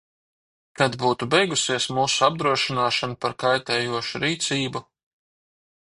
Kad būtu beigusies mūsu apdrošināšana par kaitējošu rīcību?